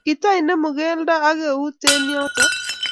Kitainemu keldo ago eut eng yoti